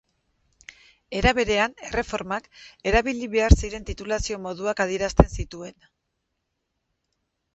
Era berean, erreformak, erabili behar ziren titulazio moduak adierazten zituen.